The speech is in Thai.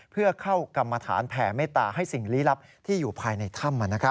เพื่อเข้ากรรมฐานแผ่เมตตาให้สิ่งลี้ลับที่อยู่ภายในถ้ำ